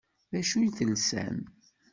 D acu i telsam?